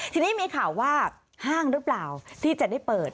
ทีนี้มีข่าวว่าห้างหรือเปล่าที่จะได้เปิด